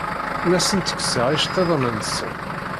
Ur asen-ttekkseɣ iceḍḍiḍen-nsen.